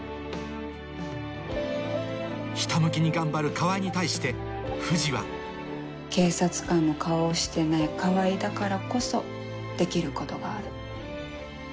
ひたむきに頑張る川合に対して藤は警察官の顔をしてない川合だからこそできることがある。